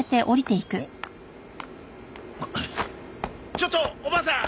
ちょっとおばあさん！